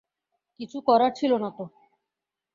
কিছু করার ছিল না তো!